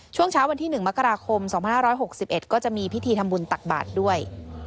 ช่วงเช้าวันที่๑มกราคม๒๕๖๑ก็จะมีพิธีทำบุญตักบาทด้วย